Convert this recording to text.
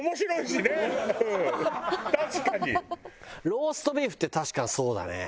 ローストビーフって確かにそうだね。